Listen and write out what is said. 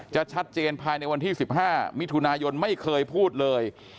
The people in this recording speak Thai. ชัดเจนภายในวันที่๑๕มิถุนายนไม่เคยพูดเลย